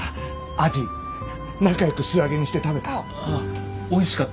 アジ仲良く素揚げにして食べた？